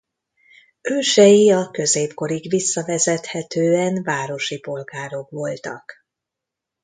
Ősei a középkorig visszavezethetően városi polgárok voltak.